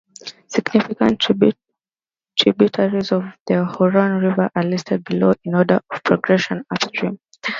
Significant tributaries of the Huron River are listed below, in order of progression upstream.